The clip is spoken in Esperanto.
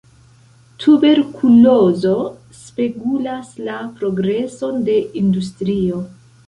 Tuberkulozo spegulas la progreson de industrio.